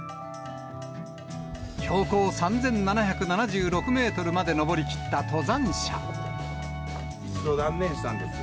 標高３７７６メートルまで登一度断念したんですよ、